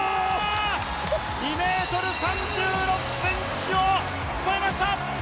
２ｍ３６ｃｍを越えました！